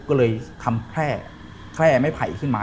ก็เลยทำแค่ไม้ไผ่ขึ้นมา